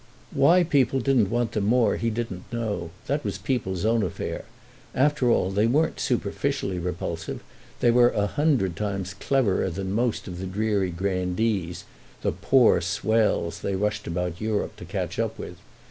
Why people didn't want them more he didn't know—that was people's own affair; after all they weren't superficially repulsive, they were a hundred times cleverer than most of the dreary grandees, the "poor swells" they rushed about Europe to catch up with.